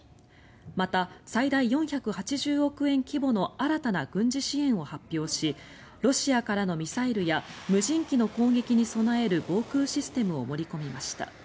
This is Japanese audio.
また、最大４８０億円規模の新たな軍事支援を発表しロシアからのミサイルや無人機の攻撃に備える防空システムを盛り込みました。